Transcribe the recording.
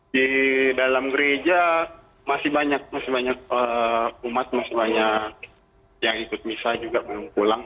di dalam gereja masih banyak masih banyak umat masih banyak yang ikut misal juga